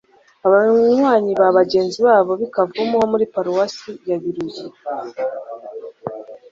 abanywanyi ba bagenzi babo b'i kavumu ho muri paruwasi biruyi